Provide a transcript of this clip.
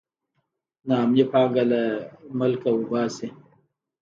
نا امني پانګه له ملکه وباسي.